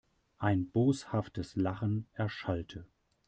Ein boshaftes Lachen erschallte.